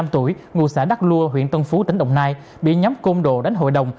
ba mươi năm tuổi ngụ xã đắc lua huyện tân phú tỉnh đồng nai bị nhóm công độ đánh hội đồng